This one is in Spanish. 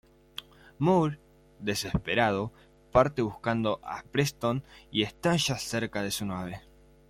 Moore, desesperado, parte buscando a Preston y estalla cerca de su nave.